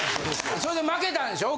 それで負けたんでしょう？